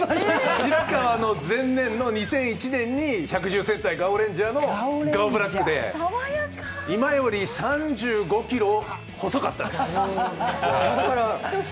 白川の前年の２００１年に「百獣戦隊ガオレンジャー」のガオブラックで今より３５ｋｇ細かったです。